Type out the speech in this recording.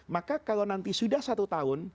maka kalau nanti sudah satu tahun